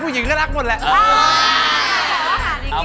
เป็นไงบอบ